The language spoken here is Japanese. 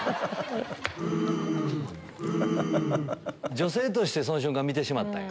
女性としてその瞬間見てしまったんや。